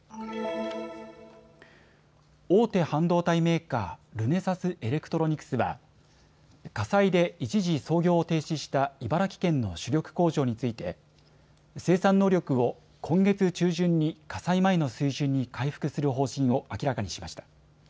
大手半導体メーカー、ルネサスエレクトロニクスは火災で一時操業を停止した茨城県の主力工場について生産能力を今月中旬に火災前の水準に回復する方針を明らかにしました。